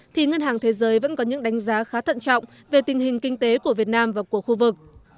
thì ngân hàng thế giới vẫn có những đánh giá khá thận trọng về tình hình kinh tế của việt nam và của khu vực